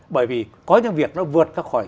bởi vì có những việc nó vượt ra khỏi